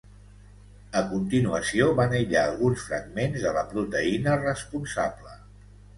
A continuació, van aïllar alguns fragments de la proteïna responsable.